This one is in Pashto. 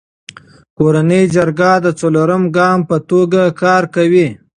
کورنی جرګه د څلورم ګام په توګه کار کوي.